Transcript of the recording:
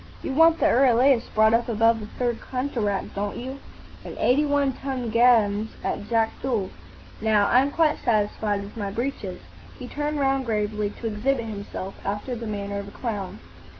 "You want the Euryalus brought up above the Third Cataract, don't you? and eighty one ton guns at Jakdul? Now, I'm quite satisfied with my breeches." He turned round gravely to exhibit himself, after the manner of a clown.